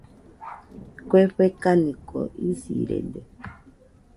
Kue fekaniko isirede.